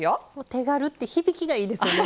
手軽って響きがいいですよね。